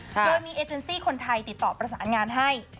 โดยมีเอเจนซี่คนไทยติดต่อประสานงานให้